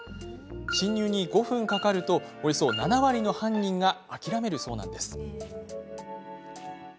侵入に５分かかるとおよそ７割の犯人が諦めるそうなんです。